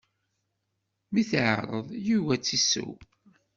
Mi t-iɛreḍ, yugi ad t-isew.